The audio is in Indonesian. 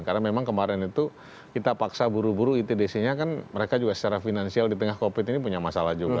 karena memang kemarin itu kita paksa buru buru itdc nya kan mereka juga secara finansial di tengah covid ini punya masalah juga